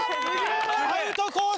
アウトコース